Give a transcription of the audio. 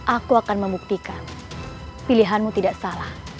aku akan membuktikan pilihanmu tidak salah